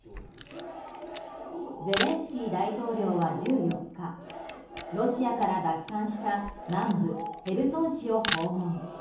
ゼレンスキー大統領は１４日ロシアから奪還した南部ヘルソン市を訪問。